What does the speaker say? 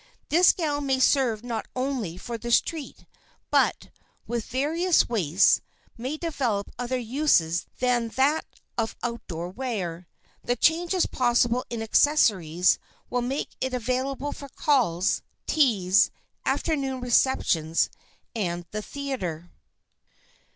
This gown may serve not only for street but, with various waists, may develop other uses than that of outdoor wear. The changes possible in accessories will make it available for calls, teas, afternoon receptions and the theater.